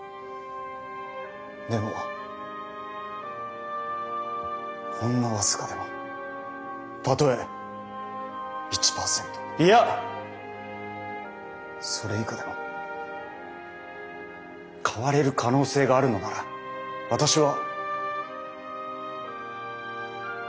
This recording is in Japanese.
でもほんの僅かでもたとえ１％いやそれ以下でも変われる可能性があるのなら私は。